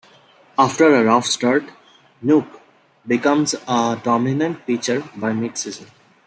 After a rough start, Nuke becomes a dominant pitcher by mid-season.